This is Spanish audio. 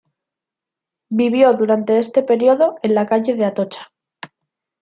Vivió durante este periodo en la calle de Atocha.